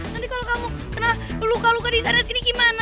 nanti kalau kamu kena luka luka disana sini gimana